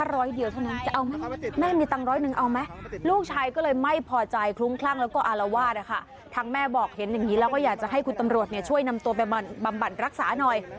เราก็อยากจะให้คุณตำรวจช่วยนำตัวไปบำบัดรักษาหน่อย